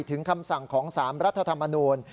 คำสั่งของ๓รัฐธรรมนูล